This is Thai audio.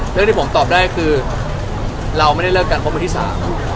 เรื่องที่ผมตอบได้คือเราไม่ได้เลิกกันพบวันที่สาม